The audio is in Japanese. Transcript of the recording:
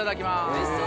おいしそう！